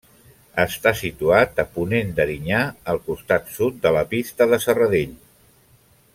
Està situat a ponent d'Erinyà, al costat sud de la Pista de Serradell.